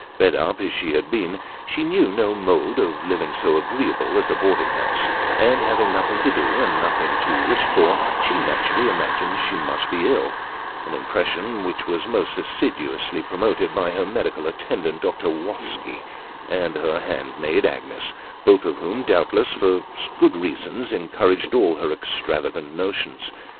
Bred up as she had been, she knew no mode of living so agreeable as a boarding house ; and having nothing to do, and nothing to wish for, she naturally imagined she must be very ill an impression which was most assiduously promoted by her medical attendant, Dr. Wosky, and her handmaid Agues : both of whom, doubtless for good reasons, encouraged all her extravagant notions.